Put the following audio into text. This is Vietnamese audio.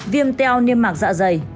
viêm teo niêm mạc dạ dày